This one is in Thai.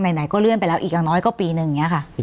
ไหนก็เลื่อนไปแล้วอีกอย่างน้อยก็ปีนึงอย่างนี้ค่ะ